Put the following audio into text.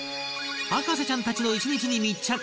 博士ちゃんたちの１日に密着